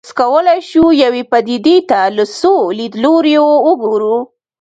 اوس کولای شو یوې پدیدې ته له څو لیدلوریو وګورو.